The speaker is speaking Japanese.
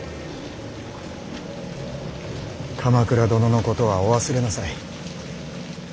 鎌倉殿のことはお忘れなさい。